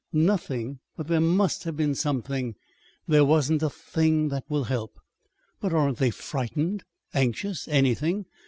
"Nothing! But there must have been something!" "There wasn't a thing that will help." "But, aren't they frightened anxious anything?